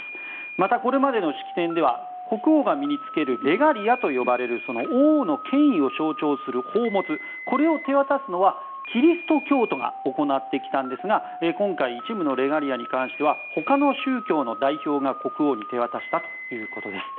またこれまでの式典では国王が身に着けるレガリアという王の権威を象徴する宝物これを手渡すのはキリスト教徒が行ってきたんですが今回一部のレガリアに関しては他の宗教の代表が国王に手渡したということです。